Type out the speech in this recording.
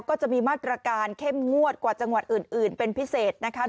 ก็จะมีมาตรการเข้มงวดกว่าจังหวัดอื่นเป็นพิเศษนะคะ